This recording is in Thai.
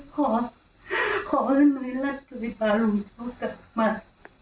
ขอขออนุญาตจ่อยตาลูกเจ้ากลับมา